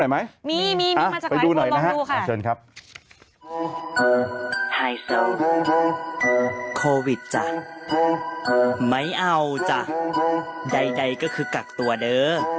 ไม่เอาจ้ะใดก็คือกักตัวเดิม